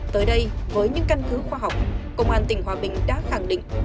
tới đây với những căn cứ khoa học công an tỉnh hòa bình đã khẳng định